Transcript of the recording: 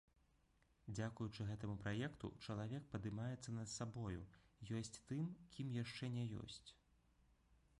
Дзякуючы гэтаму праекту чалавек падымаецца над сабою, ёсць тым, кім яшчэ не ёсць.